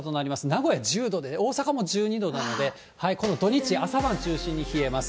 名古屋１０度で大阪も１２度なので、この土日、朝晩中心に冷えます。